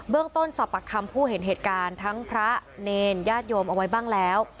ต้นสอบปากคำผู้เห็นเหตุการณ์ทั้งพระเนรญาติโยมเอาไว้บ้างแล้ว